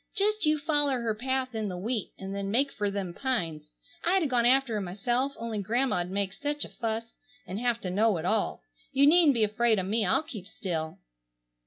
Just you foller her path in the wheat, and then make fer them pines. I'd a gone after her myself only grandma'd make sech a fuss, and hev to know it all. You needn't be afraid o' me. I'll keep still."